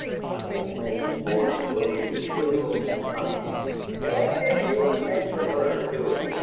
The old man's voice rose, shrill and high. "It ain't in human nature fer her to do it!